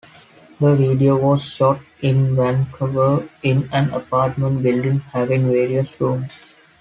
The video was shot in Vancouver in an apartment building having various rooms.